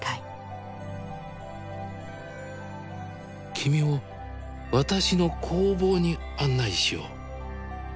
君を私の工房に案内しよう。